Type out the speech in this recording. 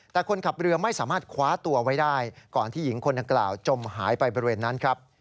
แต่คนขับเรือไม่สามารถคว้าตัวไว้ได้ก่อนที่หญิงคนดังกล่าวจมหายไปบริเวณนั้นครับ